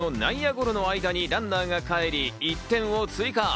そこでヌートバー選手の内野ゴロの間にランナーがかえり１点を追加。